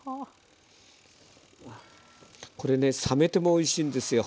これね冷めてもおいしいんですよ